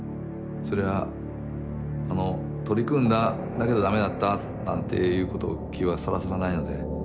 それは「取り組んだだけどだめだった」なんて言う気はさらさらないので。